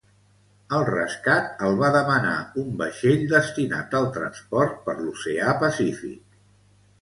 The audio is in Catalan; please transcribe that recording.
El rescat el va demanar un vaixell destinat al transport per l'Oceà Pacífic.